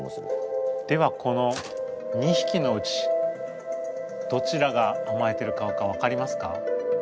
ではこの２ひきのうちどちらがあまえてる顔か分かりますか？